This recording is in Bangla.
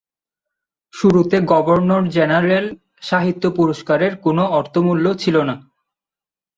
শুরুতে গভর্নর জেনারেল সাহিত্য পুরস্কারের কোনো অর্থমূল্য ছিল না।